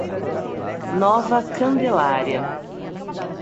Nova Candelária